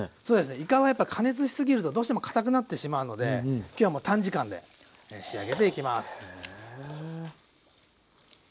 いかはやっぱ加熱しすぎるとどうしてもかたくなってしまうので今日はもう短時間で仕上げていきます。